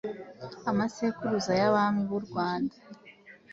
Amasekuruza y'Abami b'u Rwanda.